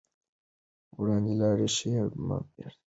وړاندې لاړ شئ او مه بېرته کېږئ.